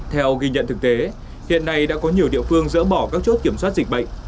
theo ghi nhận thực tế hiện nay đã có nhiều địa phương dỡ bỏ các chốt kiểm soát dịch bệnh